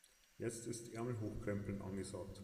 Jetzt ist Ärmel hochkrempeln angesagt.